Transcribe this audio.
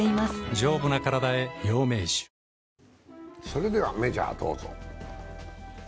それではメジャー、どうぞ。